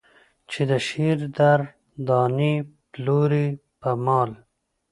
چې د شعر در دانې پلورې په مال.